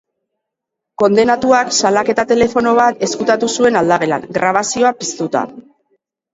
Kondenatuak sakelako telefono bat ezkutatu zuen aldagelan, grabazioa piztuta.